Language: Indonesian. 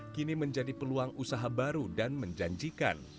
kini menjadi peluang usaha baru dan menjanjikan